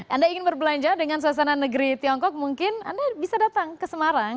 anda ingin berbelanja dengan suasana negeri tiongkok mungkin anda bisa datang ke semarang